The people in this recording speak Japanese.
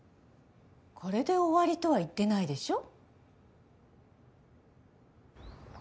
これで終わりとは言ってないでしょ？